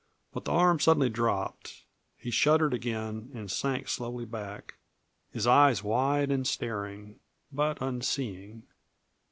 But the arm suddenly dropped, he shuddered again, and sank slowly back his eyes wide and staring, but unseeing.